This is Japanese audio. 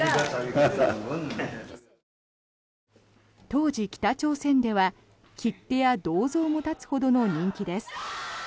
当時、北朝鮮では切手や銅像も建つほどの人気です。